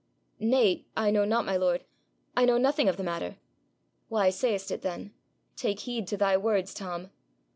'Nay, I know not, my lord. I know nothing of the matter.' 'Why say'st it then? Take heed to thy words, Tom.